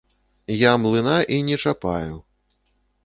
Я млына і не чапаю.